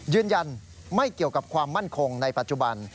ยืนยันไม่เกี่ยวกับความมั่นคงในปัจจุบัน